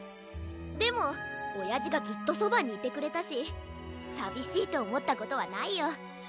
でもおやじがずっとそばにいてくれたしさびしいとおもったことはないよ。